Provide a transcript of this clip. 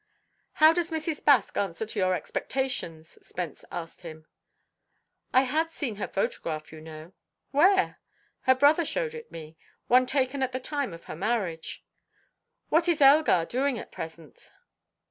"How does Mrs. Baske answer to your expectations?" Spence asked him. "I had seen her photograph, you know." "Where?" "Her brother showed it me one taken at the time of her marriage." "What is Elgar doing at present?"